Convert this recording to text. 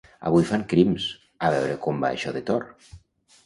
Avui fan Crims, a veure com va això de Tor